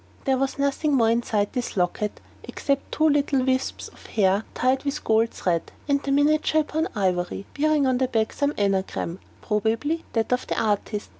There was nothing more inside this locket, except two little wisps of hair tied with gold thread, and the miniature upon ivory, bearing on the back some anagram, probably that of the artist.